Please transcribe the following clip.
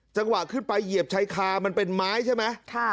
จังหวะขึ้นไปเหยียบชายคามันเป็นไม้ใช่ไหม